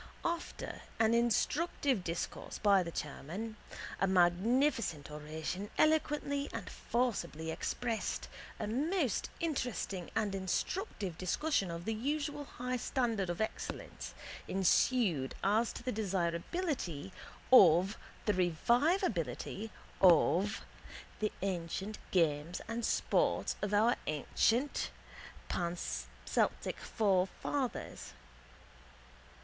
After an instructive discourse by the chairman, a magnificent oration eloquently and forcibly expressed, a most interesting and instructive discussion of the usual high standard of excellence ensued as to the desirability of the revivability of the ancient games and sports of our ancient Panceltic forefathers.